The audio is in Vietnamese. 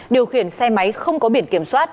điều khiển xe máy không có biển kiểm soát